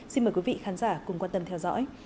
xin mời quý vị khán giả cùng quan tâm theo dõi